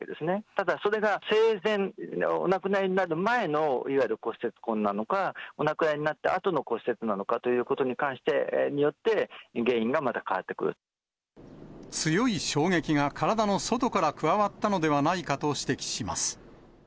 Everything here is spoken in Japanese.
ただ、それが生前、お亡くなりになる前の、いわゆる骨折痕なのか、お亡くなりになったあとの骨折なのかということに関してによって、強い衝撃が体の外から加わったのではないかと指摘します。